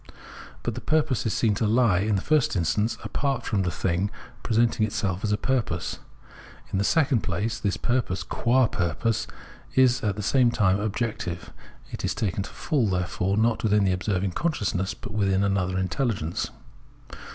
But the purpose is seen to he, in the first instance, apart from the thiug presenting itself as a purpose. In the second place, this purpose qua purpose is at the same time objective ; it is taken to fall, therefore, not withm the observing consciousness, but within another intelhgence.